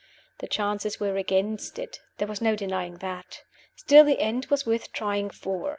The chances were against it there was no denying that. Still the end was worth trying for.